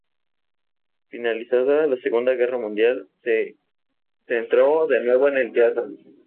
Finalizada la Segunda Guerra Mundial, se centró de nuevo en el teatro.